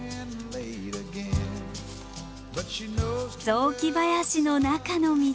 雑木林の中の道。